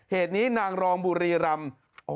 เหตุนี้นางรองบุรีรำ